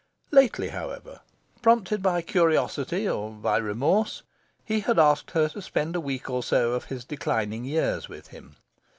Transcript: Lately, however, prompted by curiosity or by remorse, he had asked her to spend a week or so of his declining years with him.